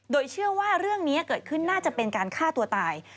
โดยเชื่อว่าเรื่องนี้เกิดขึ้นน่าจะเป็นการฆ่าตัวตาย